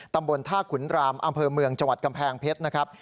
ตำบลท่าขุนรามอำเภอเมืองจังหวัดกำแพงเพชรนะครับ